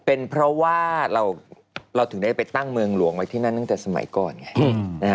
เป็นเพราะว่าเราถึงได้ไปตั้งเมืองหลวงไว้ที่นั่นตั้งแต่สมัยก่อนไง